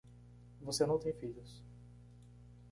Você não tem filhos.